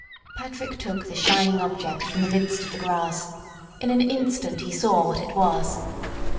Patrick took the shining object from the midst of the grass. In an instant he saw what it was.